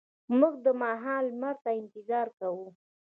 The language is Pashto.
موږ د ماښام لمر ته انتظار کاوه.